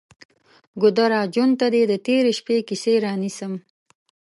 ګودره! ژوند ته دې د تیرې شپې کیسې رانیسم